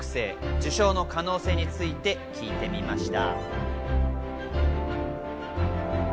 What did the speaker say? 受賞の可能性について聞いてみました。